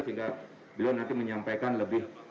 sehingga beliau nanti menyampaikan lebih